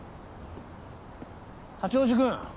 八王子君。